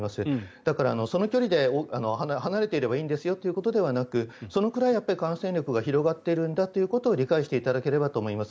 だから、その距離で離れていればいいんですよということではなくそのくらい感染力が広がっているんだということを理解していだたければと思います。